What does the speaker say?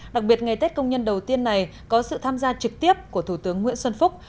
đặc biệt ngày tết công nhân đầu tiên này có sự tham gia trực tiếp của thủ tướng nguyễn xuân phúc